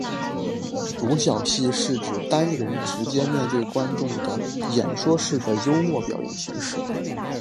独角戏是指单人直接面对观众的演说式的幽默表演形式。